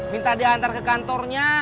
minta diantar ke kantornya